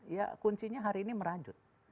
ya kuncinya hari ini merajut